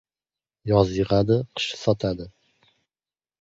• Yoz yig‘adi, qish sotadi.